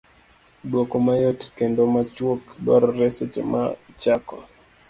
Dwoko mayot kendo machuok dwarore seche ma ichako